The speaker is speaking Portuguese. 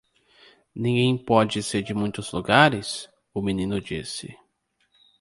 "Ninguém pode ser de muitos lugares?" o menino disse.